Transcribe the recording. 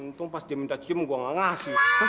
ntung pas dia minta cium gue gak ngasih